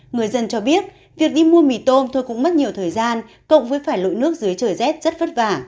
người dân cho biết việc đi mua mì tôm thôi cũng mất nhiều thời gian cộng với phải lội nước dưới trời rét rất vất vả